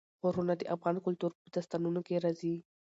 غرونه د افغان کلتور په داستانونو کې راځي.